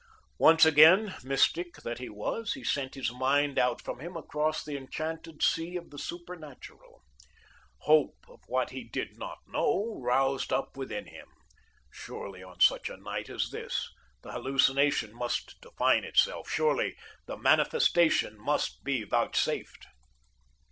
Once again, mystic that he was, he sent his mind out from him across the enchanted sea of the Supernatural. Hope, of what he did not know, roused up within him. Surely, on such a night as this, the hallucination must define itself. Surely, the Manifestation must be vouchsafed.